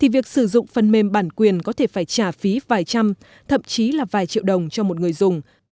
việc sử dụng phần mềm bản quyền có thể phải trả phí vài trăm thậm chí là vài triệu đồng cho một người dùng